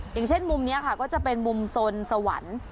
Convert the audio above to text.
อย่างเช่นมุมนี้ค่ะก็จะเป็นมุมสนสวรรค์